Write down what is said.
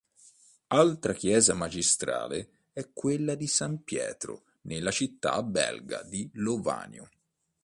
L'altra chiesa magistrale è quella di San Pietro nella città belga di Lovanio.